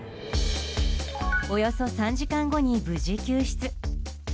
およそ３時間後に無事救出。